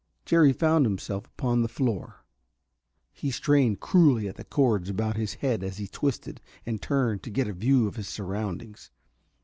Jerry found himself upon the floor. He strained cruelly at the cords about his head as he twisted and turned to get a view of his surroundings.